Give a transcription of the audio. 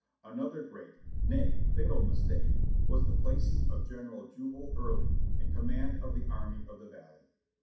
Another great — nay fatal — mistake was the placing of General Jubal Early in command of the Army of the Valley.